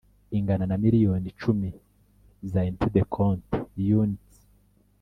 ingana na miliyoni icumi za unit s de compte units